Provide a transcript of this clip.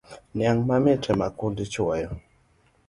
Niang mamit ema kudni chuoyo